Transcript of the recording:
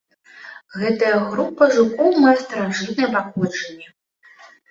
Гэтая група жукоў мае старажытнае паходжанне.